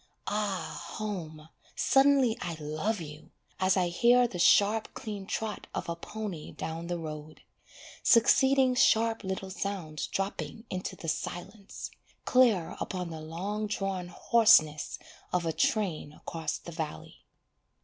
Ah home, suddenly I love you, As I hear the sharp clean trot of a pony down the road, Succeeding sharp little sounds dropping into the silence, Clear upon the long drawn hoarseness of a train across the valley.